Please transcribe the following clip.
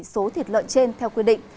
số thịt lợn trên theo quy định